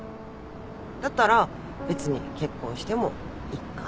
だったら別に結婚してもいっかなって。